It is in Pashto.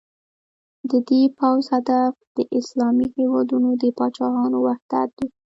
د دې پوځ هدف د اسلامي هېوادونو د پاچاهانو وحدت و.